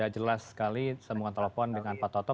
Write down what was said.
jelas sekali saya mau telepon dengan pak toto